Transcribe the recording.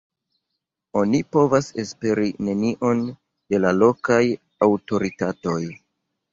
Oni povas esperi nenion de la lokaj aŭtoritatoj.